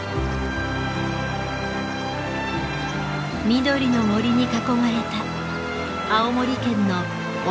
緑の森に囲まれた青森県の奥入瀬渓流。